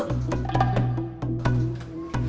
eh ada pengumuman tuh